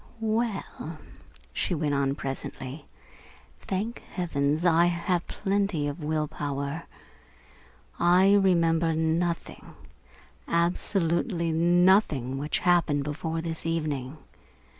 "Well," she went on presently, "thank heavens I have plenty of will power. I remember nothing, absolutely nothing, which happened before this evening.